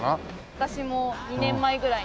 私も２年前ぐらいに。